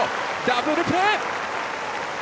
ダブルプレー。